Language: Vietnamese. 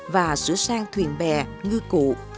và sửa sang thuyền bè ngư cụ